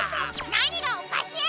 なにがおかしい！